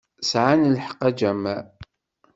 Sɛant lḥeqq, a Jamal.